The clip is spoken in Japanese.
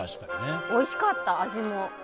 おいしかった、味も。